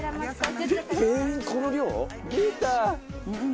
全員この量？でた！